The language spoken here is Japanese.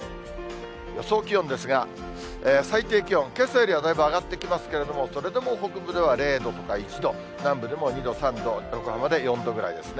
予想気温ですが、最低気温、けさよりはだいぶ上がってきますけれども、それでも北部では０度とか１度、南部でも２度、３度、横浜で４度ぐらいですね。